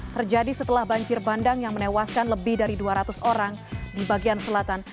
terjadi setelah banjir bandang yang menewaskan lebih dari dua ratus orang di bagian selatan